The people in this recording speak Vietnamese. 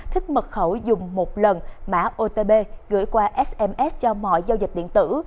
thích mật khẩu dùng một lần mã otp gửi qua sms cho mọi giao dịch điện tử